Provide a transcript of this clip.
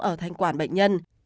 ở thanh quản bệnh nhân